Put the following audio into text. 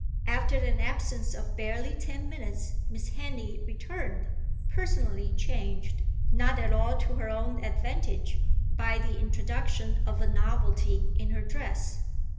After an absence of barely ten minutes Miss Henley returned; personally changed, not at all to her own advantage, by the introduction of a novelty in her dress.